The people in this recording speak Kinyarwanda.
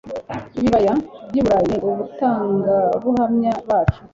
ibibaya by'i burayi ni abatangabuhamya bacu